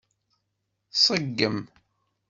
Ṣeggem.